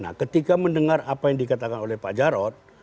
nah ketika mendengar apa yang dikatakan oleh pak jarod